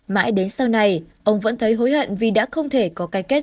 mãi đến sau này ông vẫn thấy hối hận vì đã không thể có cái kết